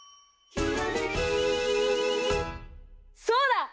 そうだ！